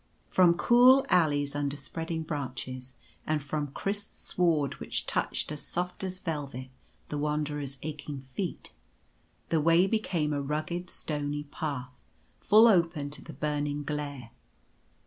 From cool alleys under spreading branches, and from crisp sward which touched as soft as velvet the Wan derer's aching feet, the way became a rugged stony path, full open to the burning glare.